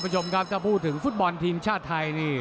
สำหรับผู้ถึงฟุตบอลทีมชาติไทยนี่